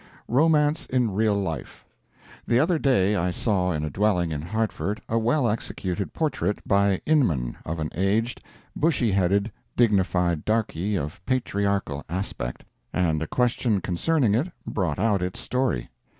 Romance in Real Life. The other day I saw in a dwelling in Hartford a well executed portrait, by Inman, of an aged, bushy headed, dignified darkey of patriarchal aspect, and a question concerning it brought out its story.